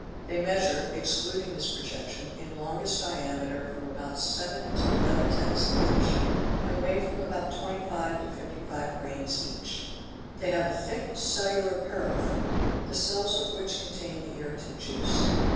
'They measure, excluding this projection, in longest _ diameter from about 7 to 11 tenths of an inch, and weigh from about 25 to BS grains each. They have a thick cellular pericarp, the cells of which con tain the irritant juice.